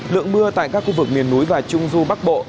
lượng mưa tại các khu vực miền núi và trung du bắc bộ